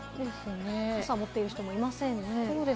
傘を持っている人、もういませんね。